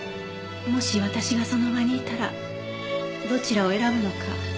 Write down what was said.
もし私がその場にいたらどちらを選ぶのか